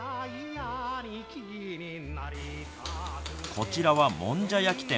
こちらは、もんじゃ焼き店。